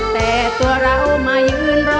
แต่ตัวเรามายืนรอ